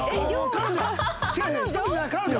彼女！